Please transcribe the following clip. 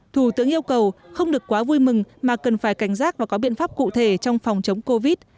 thủ tướng yêu cầu không được quá vui mừng mà cần phải cảnh giác và có biện pháp cụ thể trong phòng chống covid